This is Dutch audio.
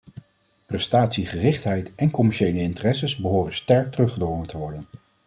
Prestatiegerichtheid en commerciële interesses behoren sterk teruggedrongen te worden.